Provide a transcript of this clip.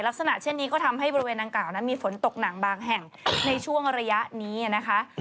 ลักษณะเช่นนี้ก็ทำให้บริเวณดังกล่าวนั้นมีฝนตกหนักบางแห่งในช่วงระยะนี้นะคะ